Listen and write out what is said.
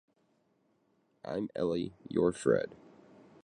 I'm Ellie; you're Fred.